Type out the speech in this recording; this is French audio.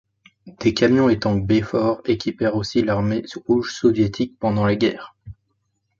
Des camions et tanks Beford équipèrent aussi l'Armée rouge soviétique pendant la guerre.